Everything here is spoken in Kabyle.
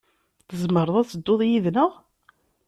Tzemreḍ ad tedduḍ yid-neɣ.